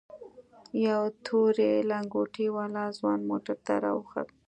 يو تورې لنگوټې والا ځوان موټر ته راوخوت.